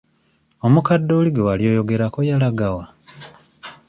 Omukadde oli gwe wali oyogerako yalaga wa?